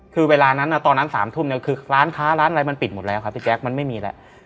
คือเวลานั้นตอนนั้น๓ทุ่มเนี่ยคือร้านค้าร้านอะไรมันปิดหมดแล้วครับพี่แจ๊คมันไม่มีแล้ว